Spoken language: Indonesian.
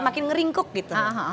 makin ringkuk gitu